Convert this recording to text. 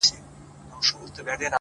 ځكه مي دعا، دعا، دعا په غېږ كي ايښې ده،